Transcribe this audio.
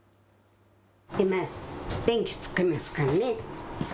今、電気つけますからね。